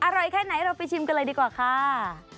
อร่อยแค่ไหนเราไปชิมกันเลยดีกว่าค่ะ